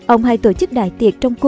ông hay tổ chức đại tiệc trong nhà